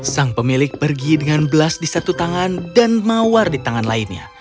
sang pemilik pergi dengan belas di satu tangan dan mawar di tangan lainnya